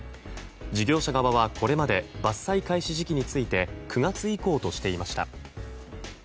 事業者側はこれまで伐採開始時期について９月以降としていました。